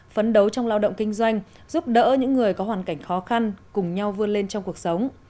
phấn đấu trong lao động kinh doanh giúp đỡ những người có hoàn cảnh khó khăn cùng nhau vươn lên trong cuộc sống